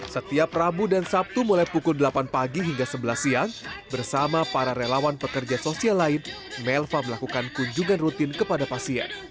setiap rabu dan sabtu mulai pukul delapan pagi hingga sebelas siang bersama para relawan pekerja sosial lain melva melakukan kunjungan rutin kepada pasien